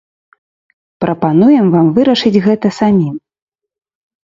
Прапануем вам вырашыць гэта самім.